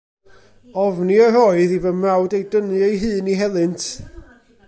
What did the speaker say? Ofni yr oedd i fy mrawd ei dynnu ei hun i helynt.